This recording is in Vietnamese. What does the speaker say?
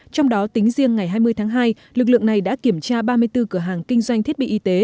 trong đó tính riêng ngày hai mươi tháng hai lực lượng này đã kiểm tra ba mươi bốn cửa hàng kinh doanh thiết bị y tế